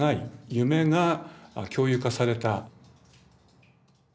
夢が共有化された。